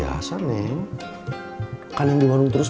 harganya juga bagus